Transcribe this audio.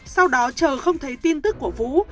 sau đó chờ không thấy tin tức của vũ